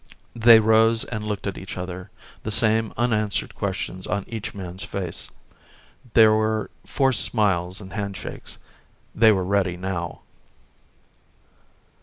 They rose and looked at each other, the same unanswered questions on each man's face. There were forced smiles and handshakes. They were ready now.